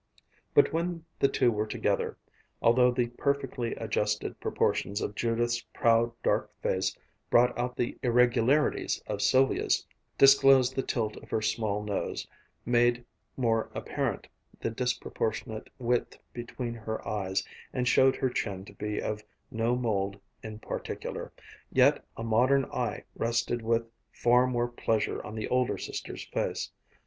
But when the two were together, although the perfectly adjusted proportions of Judith's proud, dark face brought out the irregularities of Sylvia's, disclosed the tilt of her small nose, made more apparent the disproportionate width between her eyes, and showed her chin to be of no mold in particular, yet a modern eye rested with far more pleasure on the older sister's face.